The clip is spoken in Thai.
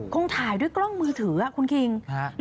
คงถ่ายด้วยกล้องมือถือคุณคิง